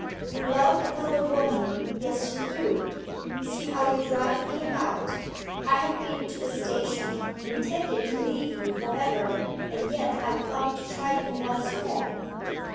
"You love another woman yes, you do. See how you drive me about! I have been to the station, intending to leave you for ever, and yet I come to try you once more."